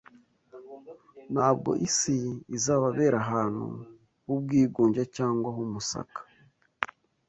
ntabwo isi izababera ahantu h’ubwigunge cyangwa h’umusaka